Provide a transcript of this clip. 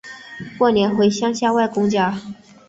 过年回乡下外公家